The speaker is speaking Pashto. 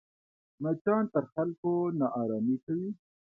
مچان پر خلکو ناارامي کوي